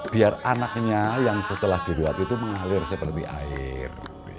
biar anaknya yang setelah diruat itu mengalir seperti air